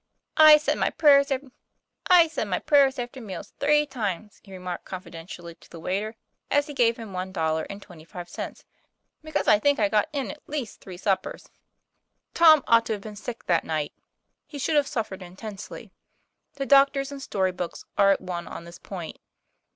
'I said my 'prayers after meals' three times," he remarked confidentially to the waiter as he gave him one dollar and twenty five cents, * because I think I got in at least three suppers." 9 TOM PLA YFAIR. Tom ought to have been sick that night. He should have suffered intensely. The doctors and story books are at one on this point.